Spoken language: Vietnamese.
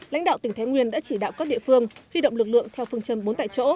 lãnh đạo tỉnh thái nguyên đã chỉ đạo các địa phương huy động lực lượng theo phương châm bốn tại chỗ